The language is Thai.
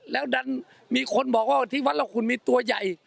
แล้วดันมีคนบอกว่าที่วัดละคุณมีตัวใหญ่